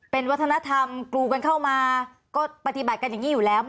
เป็นวัฒนธรรมกรูกันเข้ามาก็ปฏิบัติกันอย่างนี้อยู่แล้ว